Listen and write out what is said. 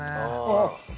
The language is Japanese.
あっ！